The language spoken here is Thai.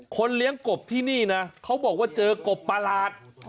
เลี้ยงกบที่นี่นะเขาบอกว่าเจอกบประหลาด